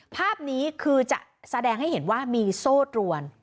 ภาพนี้คือจะแสดงให้เห็นว่ามีโซ่ตรวน